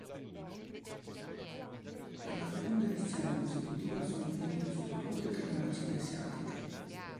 Per la seconda edizione consecutiva sono finite sul podio tre nazioni asiatiche.